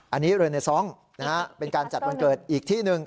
อันนี้เรือเนซ้องเป็นการจัดวันเกิดอีกที่หนึ่ง